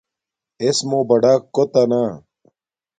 اݵسمݸ بڑݳک کݸتݳ نݳ.